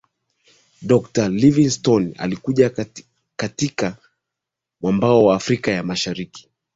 Dokta Living Stone alikuja katika mwambao wa afrika ya mashariki